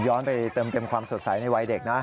ย้อนไปเติมความสดใสในวัยเด็กนะ